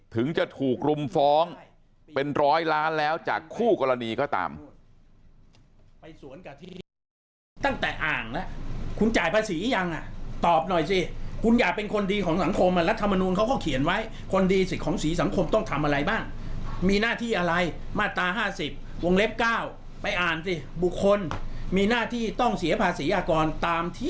ถึงจะถูกรุมฟ้องเป็นร้อยล้านแล้วจากคู่กรณีก็ตาม